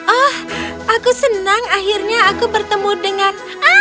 oh aku senang akhirnya aku bertemu dengan